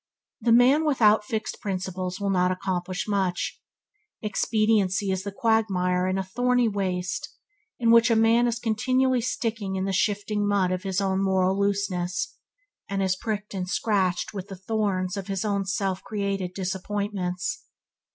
The man without fixed principles will not accomplish much. Expediency is a quagmire and a thorny waste, in which a man is continually sticking in the shifting mud of his own moral looseness, and is pricked and scratched with the thorns of his self created disappointments.